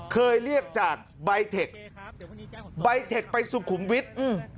เคยเรียกจากใบเทคใบเทคไปสุขุมวิทย์อืม